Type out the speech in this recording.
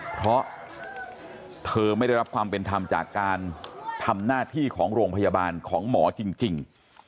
เพราะเธอไม่ได้รับความเป็นธรรมจากการทำหน้าที่ของโรงพยาบาลของหมอจริง